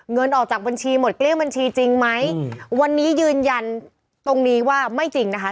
เงินออกจากบัญชีหมดเกลี้ยบัญชีจริงไหมวันนี้ยืนยันตรงนี้ว่าไม่จริงนะคะ